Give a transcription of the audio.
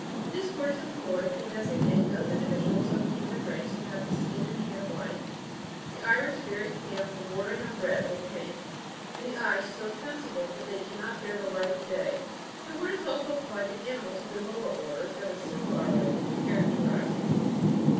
This word is employed to designate those indi viduals ofthe human race who have the skin and hair white, the iris very pale and bordering on red or pink; and the eyes so sensible, that they cannot bear the light of day. The word is also applied to animals ofthe lower orders that; are similarly characterised.